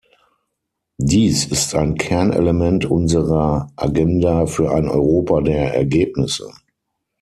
Dies ist ein Kernelement unserer Agenda für ein Europa der Ergebnisse.